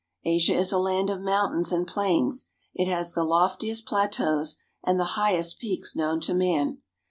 Asia is a land of mountains and plains. It has the loftiest plateaus, and the highest peaks known to man.